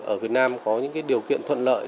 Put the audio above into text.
ở việt nam có những điều kiện thuận lợi